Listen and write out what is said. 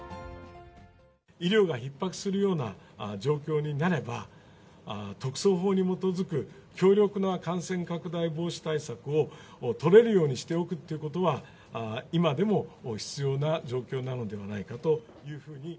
医療がひっ迫するような状況になれば、特措法に基づく強力な感染拡大防止対策を取れるようにしておくっていうことは、今でも必要な状況なのではないかというふうに。